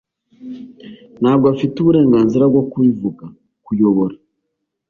ntabwo afite uburenganzira bwo kubivuga. (_kuyobora